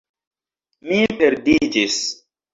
Mi perdiĝis